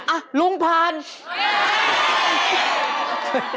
อ้าวลุงพันธุ์เย่